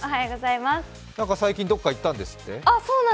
最近、どっか行ったんですって？